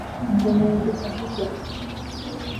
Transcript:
Ndejuka hikuái